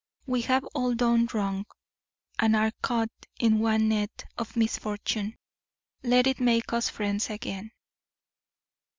We have all done wrong, and are caught in one net of misfortune. Let it make us friends again.